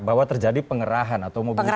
bahwa terjadi pengerahan atau mobilisasi